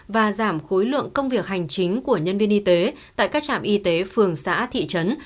và giảm khối lượng công việc hành chính của nhân viên y tế tại các trạm y tế phường xã thị trấn